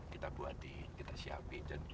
kita buatin kita siapin